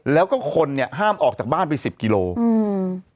แล้วก็คนเนี้ยห้ามออกจากบ้านไปสิบกิโลอืม